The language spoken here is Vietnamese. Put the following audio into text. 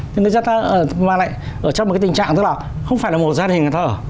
nhưng mà người ta ở lại ở trong một cái tình trạng tức là không phải là một gia đình người ta ở